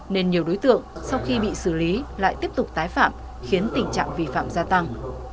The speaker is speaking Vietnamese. nên nhiều đối tượng sau khi bị xử lý lại tiếp tục tái phạm khiến tình trạng vi phạm gia tăng